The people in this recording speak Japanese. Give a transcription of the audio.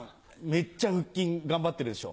めっちゃ腹筋頑張ってるでしょ？